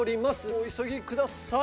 お急ぎください。